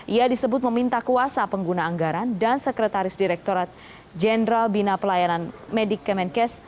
ia disebut meminta kuasa pengguna anggaran dan sekretaris direkturat jenderal bina pelayanan medik kemenkes